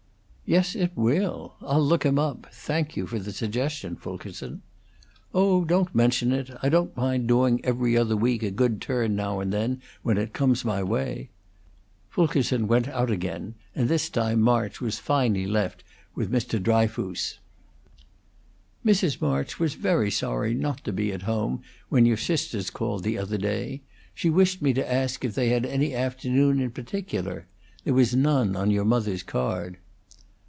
"Yes, it will. I'll look him up. Thank you for the suggestion, Fulkerson." "Oh, don't mention it! I don't mind doing 'Every Other Week' a good turn now and then when it comes in my way." Fulkerson went out again, and this time March was finally left with Mr. Dryfoos. "Mrs. March was very sorry not to be at home when your sisters called the other day. She wished me to ask if they had any afternoon in particular. There was none on your mother's card."